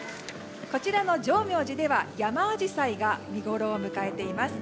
こちらの浄妙寺ではヤマアジサイが見ごろを迎えています。